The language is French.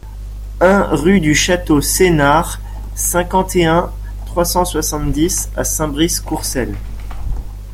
un rue du Château Senart, cinquante et un, trois cent soixante-dix à Saint-Brice-Courcelles